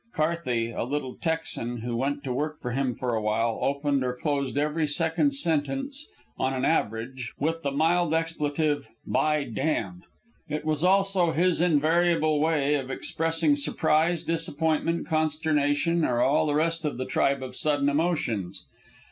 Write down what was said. Carthey, a little Texan who went to work for him for a while, opened or closed every second sentence, on an average, with the mild expletive, "By damn!" It was also his invariable way of expressing surprise, disappointment, consternation, or all the rest of the tribe of sudden emotions.